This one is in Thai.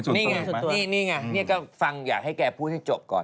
นี่ก็ฟังอยากให้แกพูดให้จบก่อน